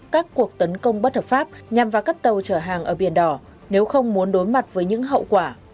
các cuộc tấn công bất hợp pháp nhằm vào các tàu chở hàng ở biển đỏ nếu không muốn đối mặt với những hậu quả